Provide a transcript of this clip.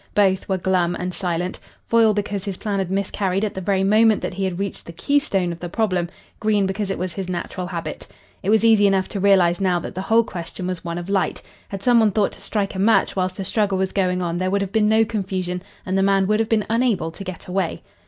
Both were glum and silent: Foyle because his plan had miscarried at the very moment that he had reached the keystone of the problem; Green because it was his natural habit. It was easy enough to realise now that the whole question was one of light. Had some one thought to strike a match while the struggle was going on there would have been no confusion, and the man would have been unable to get away.